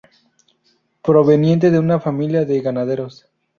Proveniente de una familia de ganaderos.